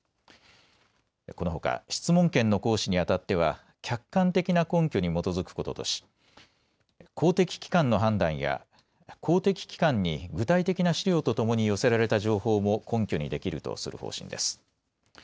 このほか、質問権の行使にあたっては客観的な根拠に基づくこととし公的機関の判断や公的機関に具体的な資料とともに寄せられた情報も根拠にできるとする方針です。